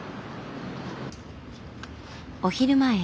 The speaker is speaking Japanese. お昼前。